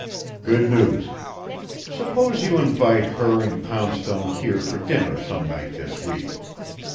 "Good news. Suppose you invite her and Poundstone here for dinner some night this week.